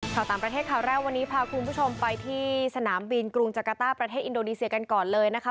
ข่าวต่างประเทศข่าวแรกวันนี้พาคุณผู้ชมไปที่สนามบินกรุงจักรต้าประเทศอินโดนีเซียกันก่อนเลยนะคะ